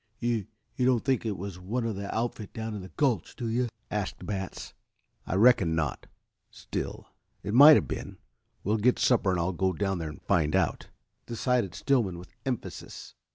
"You you don't think it was one of the outfit down in the gulch, do you?" asked Batts. "I reckon not. Still, it might have been. We'll get supper and I'll go down there and find out," decided Stillman with emphasis.